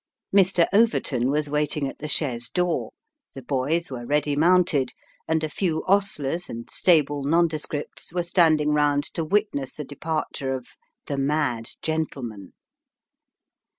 Mr. Overton was waiting at the chaise door, the boys were ready mounted, and a few ostlers and stable nondescripts were standing round to witness the departure of " the mad gentleman."